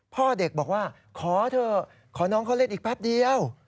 พ่อเด็กบอกว่าขอเถอะขอน้องเขาเล่นอีกแป๊บเดียว